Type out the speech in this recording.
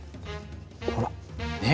ほらねっ。